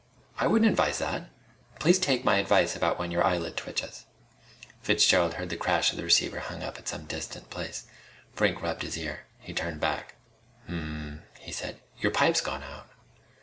I wouldn't advise that! Please take my advice about when your eyelid twitches " Fitzgerald heard the crash of the receiver hung up at some distant place. Brink rubbed his ear. He turned back. "Hm m m," he said. "Your pipe's gone out."